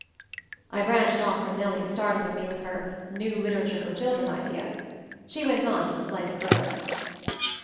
I branched off from Nellie's startling me with her "new Hterature for children" idea. She went on to explain it further.